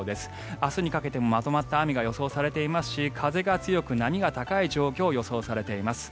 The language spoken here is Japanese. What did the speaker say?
明日にかけて、まとまった雨が予想されていますし風が強く波が高い状況が予想されています。